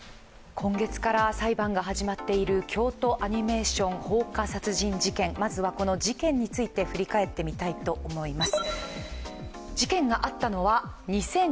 今月から裁判が始まっている京都アニメーション放火殺人事件、まずは、この事件について振り返ってみたいと思います。